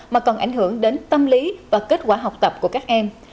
mà còn ảnh hưởng đến tâm lý và kết quả học tập của các em